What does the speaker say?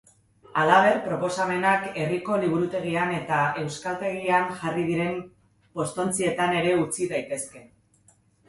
Halaber, proposamenak herriko liburutegian eta euskaltegian jarri diren postontzietan ere utzi daitezke.